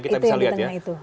iya itu yang di tengah itu